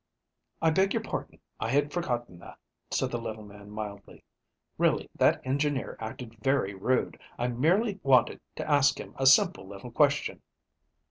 "I beg your pardon. I had forgotten that," said the little man mildly. "Really, that engineer acted very rude. I merely wanted to ask him a simple little question."